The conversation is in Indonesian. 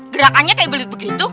gerakannya kayak belit begitu